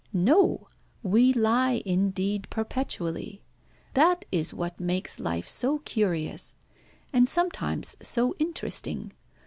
"No, we lie indeed perpetually. That is what makes life so curious, and sometimes so interesting.